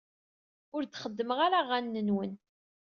Ur d-xeddmeɣ ara aɣanen-nwen.